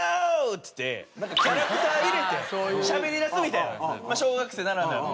っつってなんかキャラクター入れてしゃべりだすみたいな小学生ならではの。